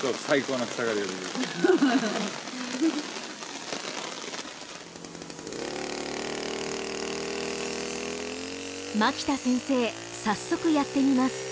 早速やってみます。